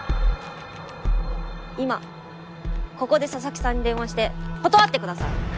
今ここで佐々木さんに電話して断ってください！